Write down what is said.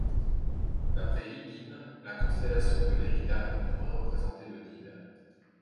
D'après Hygin, la constellation de l'Éridan pourrait représenter le Nil.